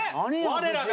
我らが。